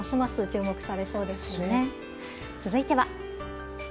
続いては。